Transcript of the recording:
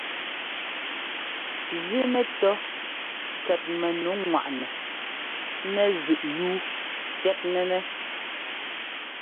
Zínɛtɔ́ tsɛt mɛnu ŋwaꞌnɛ mɛzíꞌyúu fyɛ́tnɛ́nɛ́.